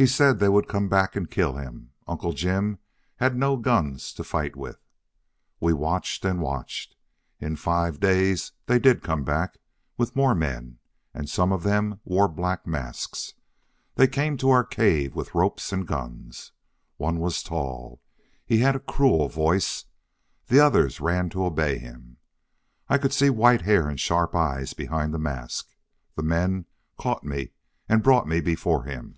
He said they would come back and kill him. Uncle Jim had no guns to fight with. "We watched and watched. In five days they did come back, with more men, and some of them wore black masks. They came to our cave with ropes and guns. One was tall. He had a cruel voice. The others ran to obey him. I could see white hair and sharp eyes behind the mask. The men caught me and brought me before him.